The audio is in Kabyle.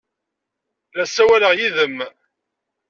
La ssawaleɣ yid-m!